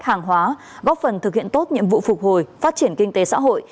hàng hóa góp phần thực hiện tốt nhiệm vụ phục hồi phát triển kinh tế xã hội